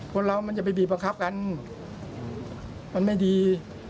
คนเรามันจะไปบีบบังคับกันมันไม่ดี